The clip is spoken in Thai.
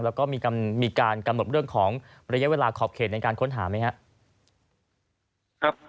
แล้วก็มีการกำหนดเรื่องของระยะเวลาขอบเขตในการค้นหาไหมครับ